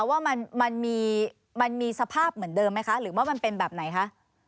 ว่ามันมีสภาพเหมือนเดิมไหมคะหรือว่ามันเป็นแบบไหนคะ